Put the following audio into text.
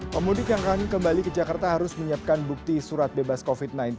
pemudik yang akan kembali ke jakarta harus menyiapkan bukti surat bebas covid sembilan belas